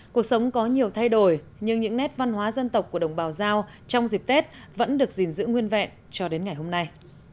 cuộc sống có nhiều thay đổi nhưng những nét văn hóa dân tộc của đồng bào giao trong dịp tết vẫn được gìn giữ nguyên vẹn cho đến ngày hôm nay